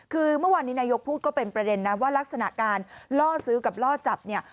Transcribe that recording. คือเมื่อวานนี้นายกพูดก็เป็นประเด็นนะว่ารักษณะการล่อซื้อกับล่อจับเนี่ย